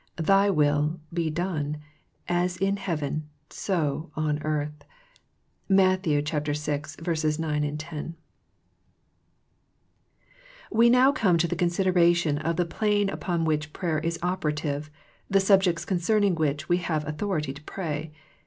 Thy will be done, as in heaven, so on earth.' ^— Matthew 6 : 9, 10. THE PLANE OF PRAYER (a) The Purpose of God We now come to the consideration of the plane upon which prayer is operative, the subjects con cerning which we have authority to pray.